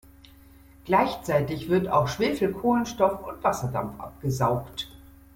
Gleichzeitig wird auch Schwefelkohlenstoff und Wasserdampf abgesaugt.